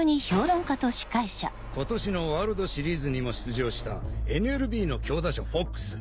今年のワールドシリーズにも出場したＭＬＢの強打者フォックス。